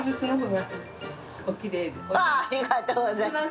わっありがとうございます。